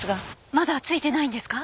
まだ着いてないんですか？